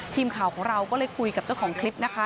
ทีมข่าวของเราก็เลยคุยกับเจ้าของคลิปนะคะ